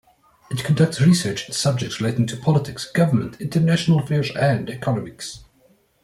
It conducts research in subjects relating to politics, government, international affairs, and economics.